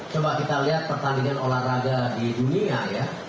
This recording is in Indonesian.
coba kita lihat pertandingan olahraga di dunia ya